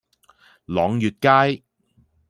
朗月街